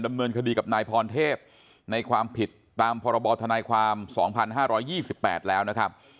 ดำเนินคดีกับนายพรเทพในความผิดตามพรบธนายความ๒๕๒๘แล้วนะครับ